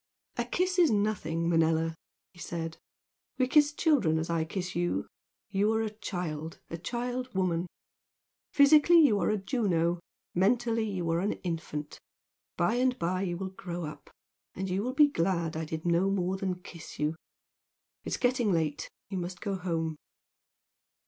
"A kiss is nothing, Manella!" he said "We kiss children as I kiss you! You are a child, a child woman. Physically you are a Juno, mentally you are an infant! By and by you will grow up, and you will be glad I did no more than kiss you! It's getting late, you must go home."